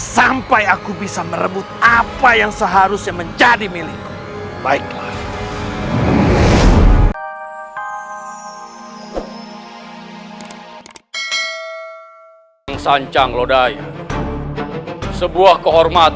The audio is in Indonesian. sampai aku bisa merebut apa yang seharusnya menjadi milikku